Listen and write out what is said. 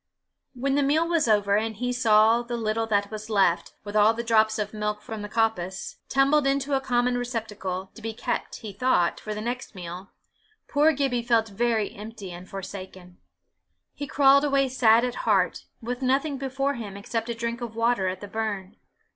When the meal was over, and he saw the little that was left, with all the drops of milk from the caups, tumbled into a common receptacle, to be kept, he thought, for the next meal, poor Gibbie felt very empty and forsaken. He crawled away sad at heart, with nothing before him except a drink of water at the burn.